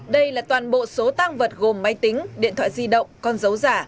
đây là toàn bộ số tăng vật gồm máy tính điện thoại di động con dấu giả